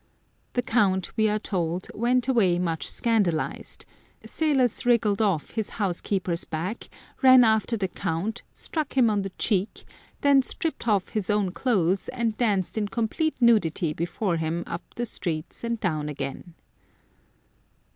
The Count, we are told, went away much scandalised, Salos wriggled off his housekeeper's back, ran after the Count, struck him on the cheek, then stripped off his own clothes, and danced in complete nudity before him up the street and down again.